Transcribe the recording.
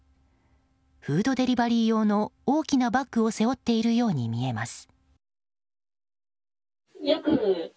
フードデリバリー用の大きなバッグを背負っているように見えます。